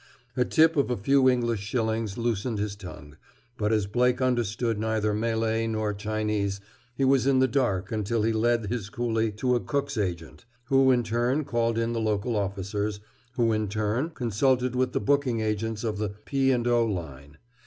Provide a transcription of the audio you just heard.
A tip of a few English shillings loosened his tongue, but as Blake understood neither Malay nor Chinese he was in the dark until he led his coolie to a Cook's agent, who in turn called in the local officers, who in turn consulted with the booking agents of the P. & O. Line.